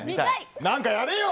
何かやれよ！